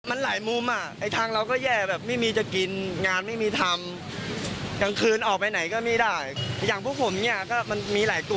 อันนี้คนของเราก็คือคนเดียว